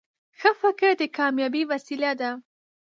ښه فکر د کامیابۍ وسیله ده.